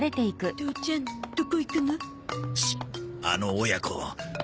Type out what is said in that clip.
あの親子